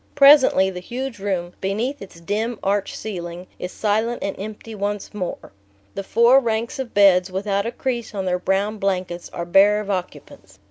Presently the huge room, beneath its dim arched ceiling, is silent and empty once more. The four ranks of beds, without a crease on their brown blankets, are bare of occupants.